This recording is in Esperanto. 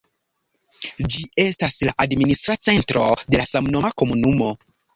Ĝi estas la administra centro de la samnoma komunumo.